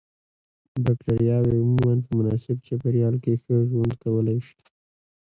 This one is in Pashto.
بکټریاوې عموماً په مناسب چاپیریال کې ښه ژوند کولای شي.